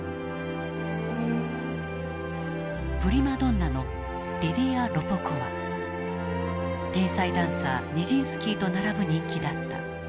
プリマドンナの天才ダンサーニジンスキーと並ぶ人気だった。